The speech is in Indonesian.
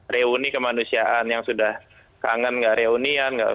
reuni kemanusiaan yang sudah kangen gak reunian